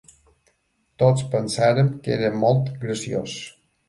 Tots pensarem que era molt graciós.